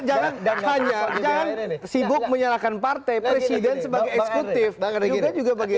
dan jangan hanya sibuk menyalahkan partai presiden sebagai eksekutif juga begini